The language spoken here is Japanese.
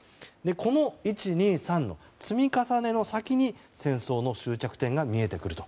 この１、２、３の積み重ねの先に戦争の終着点が見えてくると